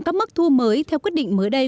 các mức thu mới theo quyết định mới đây